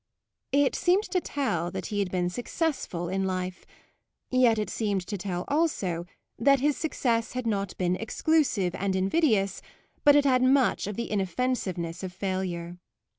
It seemed to tell that he had been successful in life, yet it seemed to tell also that his success had not been exclusive and invidious, but had had much of the inoffensiveness of failure.